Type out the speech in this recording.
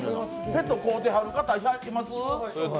ペット飼うてはる方、います？